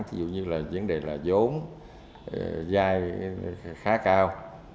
ví dụ như là vấn đề là giốn dài khá cao